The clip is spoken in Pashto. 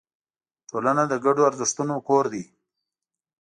ټولنه د ګډو ارزښتونو کور دی.